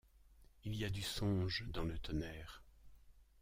Il y a du songe dans le tonnerre.